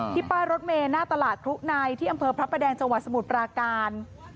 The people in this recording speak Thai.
ป้ายรถเมลหน้าตลาดครุในที่อำเภอพระประแดงจังหวัดสมุทรปราการ